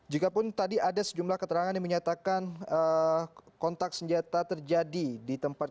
jikapun tadi ada sejumlah keterangan yang menyatakan kontak senjata terjadi di tempat